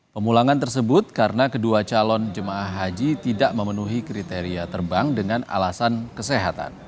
pemulangan tersebut karena kedua calon jemaah haji tidak memenuhi kriteria terbang dengan alasan kesehatan